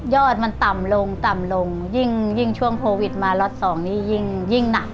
อดมันต่ำลงต่ำลงยิ่งช่วงโควิดมาล็อตสองนี้ยิ่งหนัก